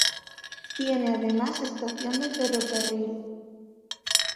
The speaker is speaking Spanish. Tiene además estación de ferrocarril.